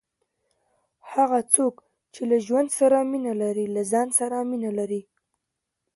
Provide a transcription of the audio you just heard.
هغه څوک، چي له ژوند سره مینه لري، له ځان سره مینه لري.